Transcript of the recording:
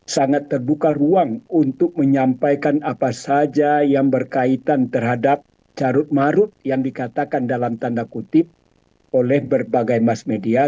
sangat terbuka ruang untuk menyampaikan apa saja yang berkaitan terhadap carut marut yang dikatakan dalam tanda kutip oleh berbagai mass media